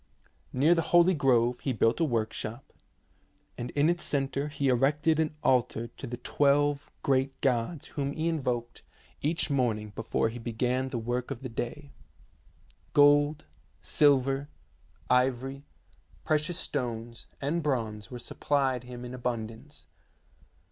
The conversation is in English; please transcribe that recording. Near the holy grove he built a workshop, and in its centre he erected an altar to the twelve 90 THE SEVEN WONDERS great gods whom he invoked each morning before he began the work of the day. Gold, silver, ivory, precious stones, and bronze were supplied him in abundance.